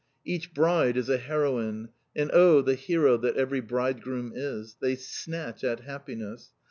Each bride is a heroine, and oh, the hero that every bridegroom is! They snatch at happiness.